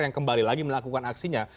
yang kembali lagi melakukan aksinya